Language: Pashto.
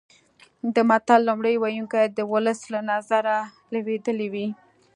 د متل لومړی ویونکی د ولس له نظره لویدلی وي